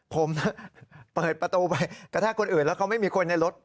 ผมเปิดประตูไปกระแทกคนอื่นแล้วเขาไม่มีคนในรถ